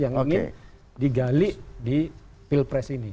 yang ingin digali di pilpres ini